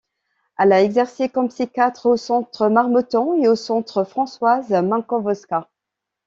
Elle a exercé comme psychiatre au Centre Marmottan et au Centre Françoise Minkowska.